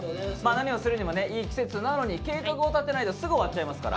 何をするにもねいい季節なのに計画を立てないとすぐ終わっちゃいますから。